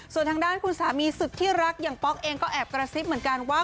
ส่วนทางด้านคุณสามีสุดที่รักอย่างป๊อกเองก็แอบกระซิบเหมือนกันว่า